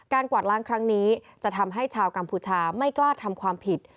กวาดล้างครั้งนี้จะทำให้ชาวกัมพูชาไม่กล้าทำความผิด